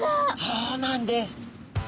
そうなんです。